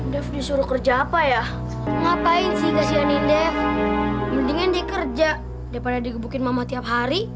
desur kerja apa ya ngapain sih kasihanin deh mendingan dikerja depan digebukin mama tiap hari